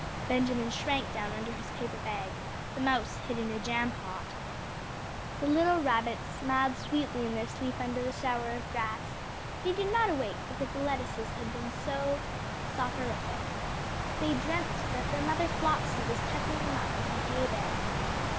Benjamin shrank down under his paper bag. The mouse hid in a jam pot. The little rabbits smiled sweetly in their sleep under the shower of grass; they did not awake because the lettuces had been so soporific. They dreamt that their mother Flopsy was tucking them up in a hay bed.